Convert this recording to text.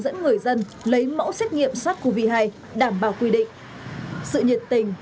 dẫn người dân lấy mẫu xét nghiệm sars cov hai đảm bảo quy định sự nhiệt tình